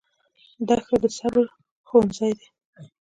دښته د صبر ښوونځی دی.